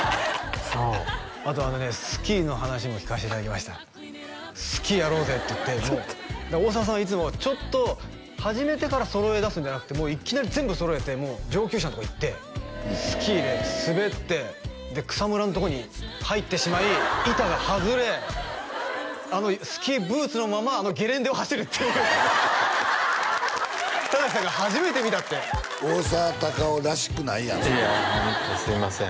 そうあとあのねスキーの話も聞かせていただきました「スキーやろうぜ」って言ってちょっと大沢さんはいつもちょっと始めてから揃えだすんじゃなくてもういきなり全部揃えて上級者のとこ行ってスキーで滑ってで草むらのとこに入ってしまい板が外れスキーブーツのままゲレンデを走るっていう忠さんが初めて見たって大沢たかおらしくないやんいやホントすいません